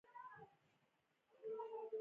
وطن په موږ ټولو حق لري